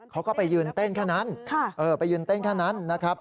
เขาก็ไปยืนเต้นขนาดนั้นค่ะเออไปยืนเต้นขนาดนั้นนะครับ